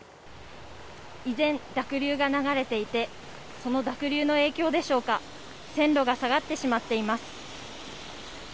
依然、濁流が流れていてその濁流の影響でしょうか線路が下がってしまっています。